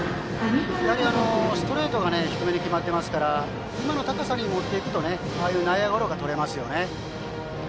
やはりストレートが低めに決まっていますから今の高さに持っていくとああいう内野ゴロがとれますね。